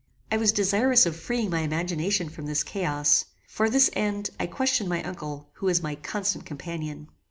I was desirous of freeing my imagination from this chaos. For this end I questioned my uncle, who was my constant companion.